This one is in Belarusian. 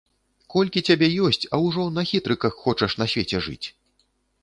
Колькі цябе ёсць, а ўжо на хітрыках хочаш на свеце жыць!